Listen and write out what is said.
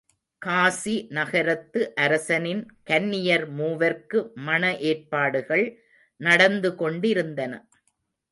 காசி நகரத்து அரசனின் கன்னியர் மூவர்க்கு மண ஏற்பாடுகள் நடந்து கொண்டிருந்தன.